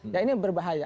ya ini berbahaya